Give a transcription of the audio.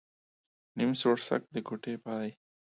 نيم سوړسک ، د کوټې پاى.